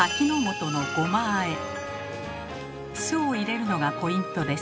酢を入れるのがポイントです。